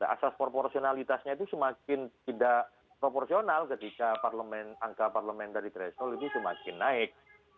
asas proporsionalitasnya itu semakin tidak proporsional ketika angka parliamentary threshold itu semakin naik